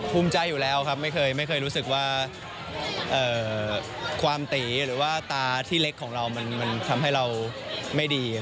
ภูมิใจอยู่แล้วครับไม่เคยรู้สึกว่าความตีหรือว่าตาที่เล็กของเรามันทำให้เราไม่ดี